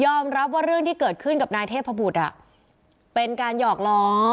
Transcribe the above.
รับว่าเรื่องที่เกิดขึ้นกับนายเทพบุตรเป็นการหยอกล้อ